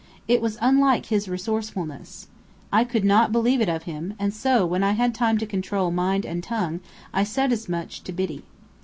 It was unlike his resourcefulness. I could not believe it of him, and so, when I had time to control mind and tongue, I said as much to Biddy.